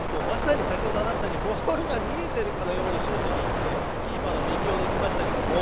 まさにボールが見えているかのようにシュートにいってキーパーの右を抜きましたが。